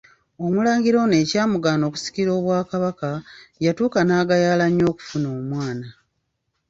Omulangira ono ekyamugaana okusikira obwakabaka, yatuuka n'ayagala nnyo okufuna omwana.